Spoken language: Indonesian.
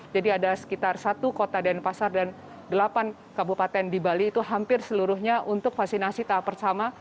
jadi ada sekitar satu kota denpasar dan delapan kabupaten di bali itu hampir seluruhnya untuk vaksinasi tahap pertama